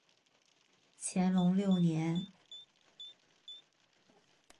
乾隆六年。